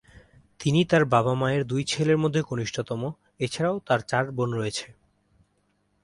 তিনি তার বাবা-মায়েরর দুই ছেলের মধ্যে কনিষ্ঠতম, এছাড়াও তার চার বোন রয়েছে।